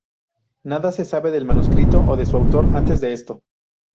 Nada se sabe del manuscrito o de su autor antes de esto.